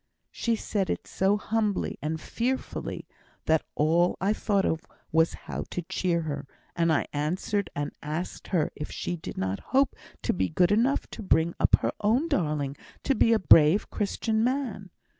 She said it so humbly and fearfully that all I thought of was how to cheer her, and I answered and asked her if she did not hope to be good enough to bring up her own darling to be a brave Christian man?